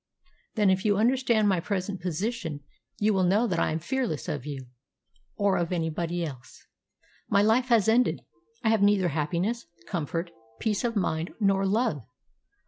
"Then if you understand my present position you will know that I am fearless of you, or of anybody else. My life has ended. I have neither happiness, comfort, peace of mind, nor love.